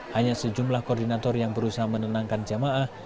hanya sejumlah koordinator yang berusaha menenangkan jamaah